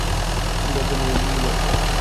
আমি ভদকা নিবো এক গ্লাস।